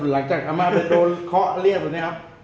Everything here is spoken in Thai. หลังจากอามาไปโดนเคราะห์เรียบแบบนี้ครับ